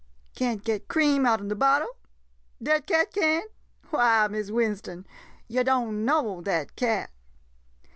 Can't get cream out 'n de bottle ! Dat cat can't? Why, Miss Winston — yo' don't know dat cat.